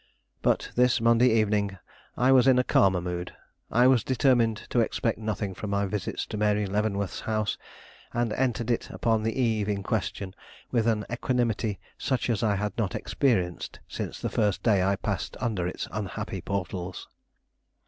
But this Monday evening I was in a calmer mood. I was determined to expect nothing from my visits to Mary Leavenworth's house; and entered it upon the eve in question with an equanimity such as I had not experienced since the first day I passed under its unhappy portals.